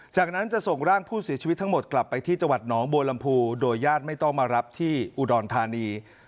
จากนั้นจะส่งร่างผู้เสียชีวิตทั้งหมดกลับไปที่จังหวัดหนองบัวลำพูโดยญาติไม่ต้องมารับที่อุดรธานี